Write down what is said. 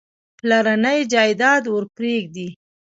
پلرنی جایداد ورپرېږدي.